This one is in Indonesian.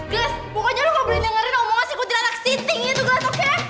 glas pokoknya lo gak boleh dengerin omongan si kuntilanak siting itu glas oke